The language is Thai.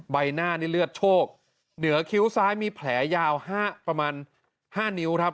ใบหน้านี่เลือดโชคเหนือคิ้วซ้ายมีแผลยาวประมาณ๕นิ้วครับ